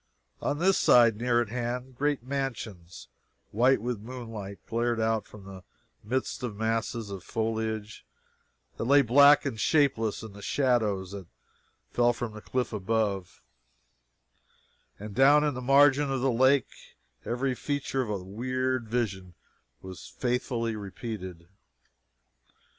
On this side, near at hand, great mansions, white with moonlight, glared out from the midst of masses of foliage that lay black and shapeless in the shadows that fell from the cliff above and down in the margin of the lake every feature of the weird vision was faithfully repeated.